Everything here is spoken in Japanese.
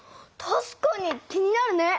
たしかに気になるね！